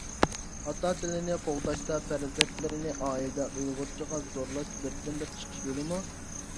ئانا تىلنى قوغداشتا پەرزەنتلەرنى ئائىلىدە ئۇيغۇرچىغا زورلاش بىردىنبىر چىقىش يولىمۇ؟